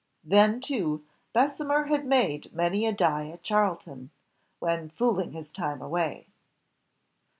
Then, too, Bessemer had made many a die at Charlton when ''fooling his time away."